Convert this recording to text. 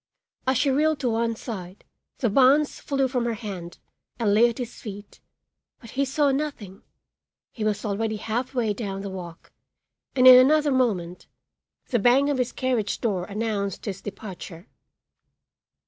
As she reeled to one side the bonds flew from her hand and lay at his feet; but he saw nothing; he was already half way down the walk and in another moment the bang of his carriage door announced his departure.